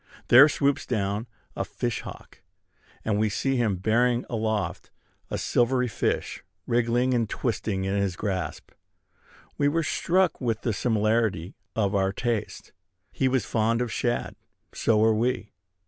There swoops down a fish hawk; and we see him bearing aloft a silvery fish, wriggling and twisting in his grasp. We were struck with the similarity of our tastes. He was fond of shad: so were we.